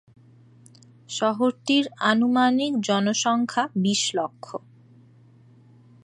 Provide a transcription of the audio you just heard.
শহরটির আনুমানিক জনসংখ্যা বিশ লক্ষ।